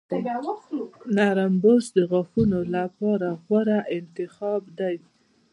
نرم برش د غاښونو لپاره غوره انتخاب دی.